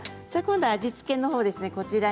今度は味付けのほうです。